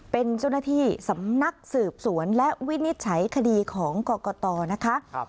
เป็นเจ้าหน้าที่สำนักสืบสวนและวินิจฉัยคดีของกรกตนะคะ